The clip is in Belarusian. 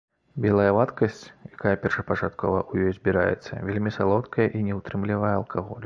Белая вадкасць, якая першапачаткова ў ёй збіраецца, вельмі салодкая і не ўтрымлівае алкаголю.